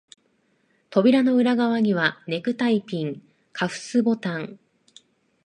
扉の裏側には、ネクタイピン、カフスボタン、